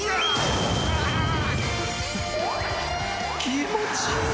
気持ちいい！